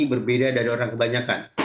berbeda dari orang kebanyakan